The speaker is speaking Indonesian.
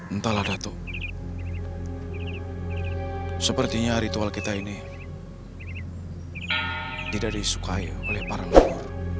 entahlah sepertinya ritual kita ini tidak disukai oleh para leluhur